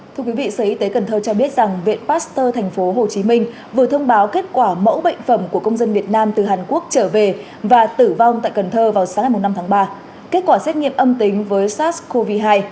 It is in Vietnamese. thưa quý vị sở y tế cần thơ cho biết rằng viện pasteur tp hcm vừa thông báo kết quả mẫu bệnh phẩm của công dân việt nam từ hàn quốc trở về và tử vong tại cần thơ vào sáng ngày năm tháng ba kết quả xét nghiệm âm tính với sars cov hai